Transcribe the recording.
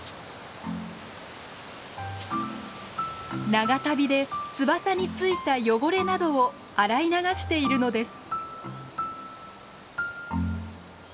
長旅で翼についた汚れなどを洗い流しているのです。